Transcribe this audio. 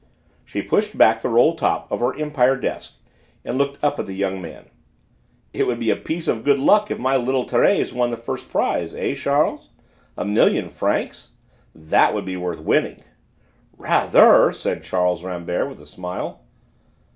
She pushed back the roll top of her Empire desk and looked up at the young fellow. "It would be a piece of good luck if my little Thérèse won the first prize, eh, Charles? A million francs! That would be worth winning?" "Rather!" said Charles Rambert with a smile.